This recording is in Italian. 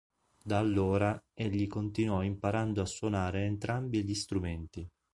Da allora, egli continuò imparando a suonare entrambi gli strumenti.